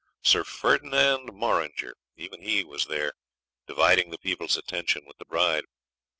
Sir Ferdinand Morringer, even he was there, dividing the people's attention with the bride.